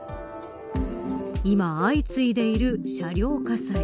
今、相次いでいる車両火災。